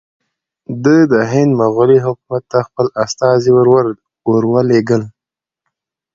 ده د هند مغولي حکومت ته خپل استازي ور ولېږل.